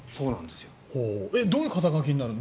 どういう肩書になるの？